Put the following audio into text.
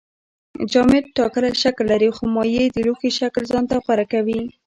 جامد ټاکلی شکل لري خو مایع د لوښي شکل ځان ته غوره کوي